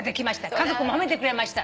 家族も褒めてくれました。